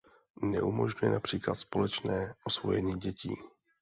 Neumožňuje například společné osvojení dětí..